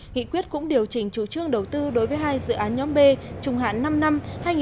nghị quyết cũng điều chỉnh chủ trương đầu tư đối với hai dự án nhóm b trung hạn năm năm hai nghìn một mươi sáu hai nghìn hai mươi